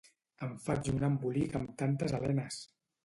Em faig un embolic amb tantes Elenes!